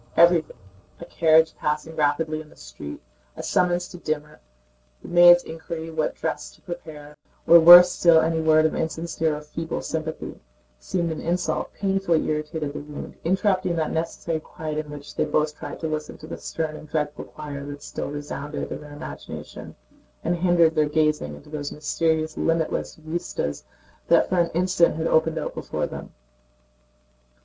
Everything: a carriage passing rapidly in the street, a summons to dinner, the maid's inquiry what dress to prepare, or worse still any word of insincere or feeble sympathy, seemed an insult, painfully irritated the wound, interrupting that necessary quiet in which they both tried to listen to the stern and dreadful choir that still resounded in their imagination, and hindered their gazing into those mysterious limitless vistas that for an instant had opened out before them.